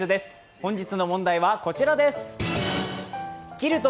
本日の問題はこちらです。